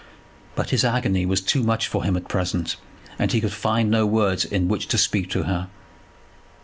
But his agony was too much for him at present, and he could find no words in which to speak to her.